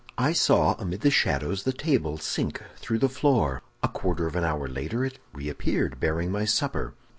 I saw, amid the shadows, the table sink through the floor; a quarter of an hour later it reappeared, bearing my supper.